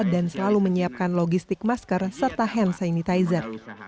dan selalu menyiapkan logistik masker serta hand sanitizer